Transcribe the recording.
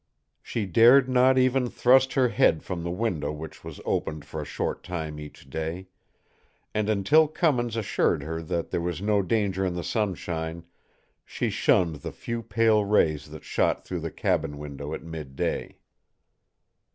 She dared not even thrust her head from the window which was opened for a short time each day; and until Cummins assured her that there was no danger in the sunshine, she shunned the few pale rays that shot through the cabin window at midday.